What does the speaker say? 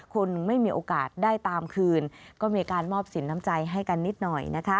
คนไม่มีโอกาสได้ตามคืนก็มีการมอบสินน้ำใจให้กันนิดหน่อยนะคะ